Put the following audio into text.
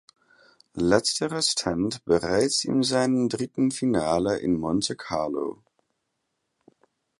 Letzterer stand bereits in seinem dritten Finale in Monte Carlo.